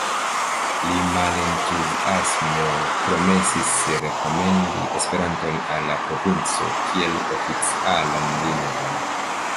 Li malentuziasme promesis rekomendi Esperanton al la princo kiel oficialan lingvon.